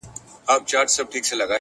o په سپورږمۍ كي زمــــــــــا زړه دى؛